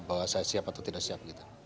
bahwa saya siap atau tidak siap